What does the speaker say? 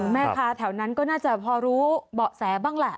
แม่ค้าแถวนั้นก็น่าจะพอรู้เบาะแสบ้างแหละ